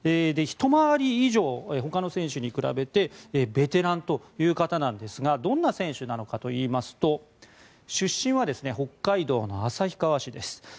ひと回り以上ほかの選手に比べてベテランという方なんですがどんな選手なのかといいますと出身は北海道の旭川市です。